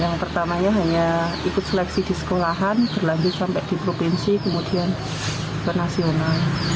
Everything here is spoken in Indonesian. yang pertamanya hanya ikut seleksi di sekolahan berlanjut sampai di provinsi kemudian ke nasional